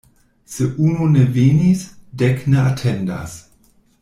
Se unu ne venis, dek ne atendas.